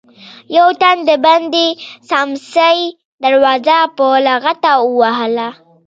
يو تن د بندې سمڅې دروازه په لغته ووهله.